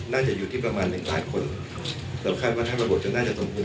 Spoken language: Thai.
น่าจะอยู่ที่ประมาณหนึ่งล้านคนเราคาดว่าถ้าระบบจะน่าจะตรงคืน